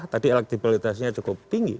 tadi elektibilitasnya cukup tinggi